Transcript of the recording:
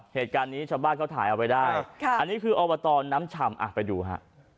เหตุการณ์นี้ชาวบ้านเขาถ่ายเอาไว้ได้อันนี้คืออบตน้ำชำอ่ะไปดูฮะ